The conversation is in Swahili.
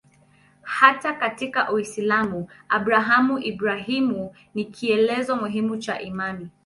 Hata katika Uislamu Abrahamu-Ibrahimu ni kielelezo muhimu cha imani.